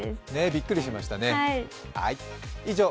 びっくりしましたね。